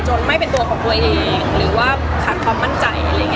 ไม่เป็นตัวของตัวเองหรือว่าขาดความมั่นใจอะไรอย่างนี้